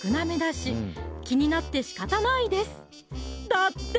だって！